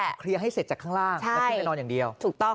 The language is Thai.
แล้วแหละเคลียร์ให้เสร็จจากข้างล่างใช่ไปนอนอย่างเดียวถูกต้อง